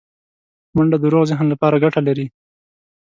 منډه د روغ ذهن لپاره ګټه لري